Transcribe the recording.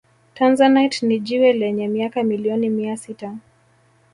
Tanzanite ni jiwe lenye miaka milioni mia sita